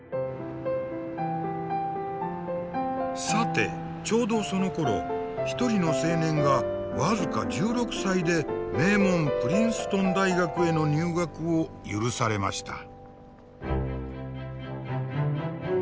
さてちょうどそのころ一人の青年が僅か１６歳で名門プリンストン大学への入学を許されました。